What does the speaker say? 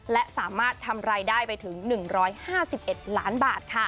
และสามารถทำรายได้ไปถึง๑๕๑ล้านบาท